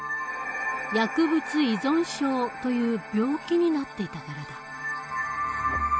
薬物依存症という病気になっていたからだ。